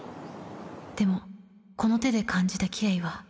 でもこの手で感じたキレイは。